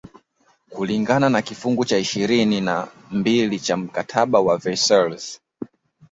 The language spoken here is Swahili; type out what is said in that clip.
kulingana na kifungu cha ishirini na mbili cha mkataba wa Versailles